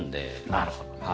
なるほどね。